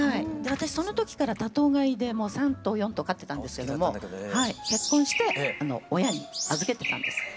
私その時から多頭飼いで３頭４頭飼ってたんですけども結婚して親に預けてたんです。